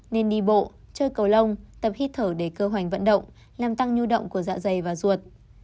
nên đi bộ chơi cầu lông tập hí thở để cơ hoành vận động làm tăng nhu động của dạ dày và ruột